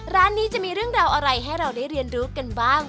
ร้านนี้จะมีเรื่องราวอะไรให้เราได้เรียนรู้กันบ้าง